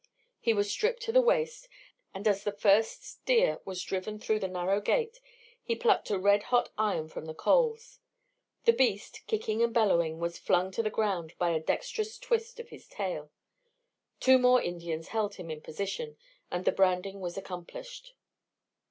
He was stripped to the waist, and as the first steer was driven through the narrow gate, he plucked a red hot iron from the coals. The beast, kicking and bellowing, was flung to the ground by a dexterous twist of his tail, two more Indians held him in position, and the branding was accomplished.